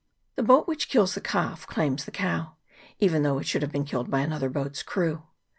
The boat which kills the calf claims the cow, even though it should have been killed by another boat's crew.